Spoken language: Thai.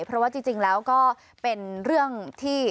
เพราะว่าจริงแล้วก็เป็นเรื่องที่